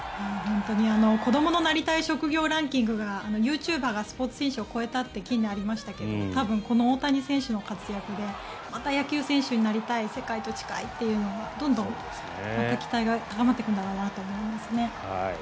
子どものなりたい職業ランキングがユーチューバーがスポーツ選手を超えたって近年ありましたけど多分この大谷選手の活躍でまた野球選手になりたい世界と近いっていうのがどんどん期待が高まっていくんだろうなと思いますね。